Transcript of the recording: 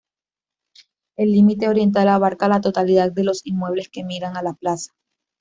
El límite oriental abarca la totalidad de los inmuebles que miran a la Plaza.